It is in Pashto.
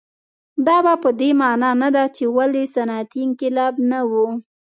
دا په دې معنا نه ده چې ولې صنعتي انقلاب نه و.